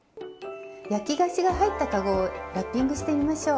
焼き菓子が入った籠をラッピングしてみましょう！